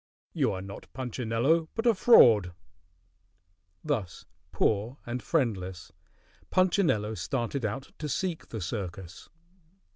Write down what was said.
You are not Punchinello, but a fraud." Thus poor and friendless, Punchinello started out to seek the circus.